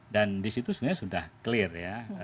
dan disitu sebenarnya sudah clear ya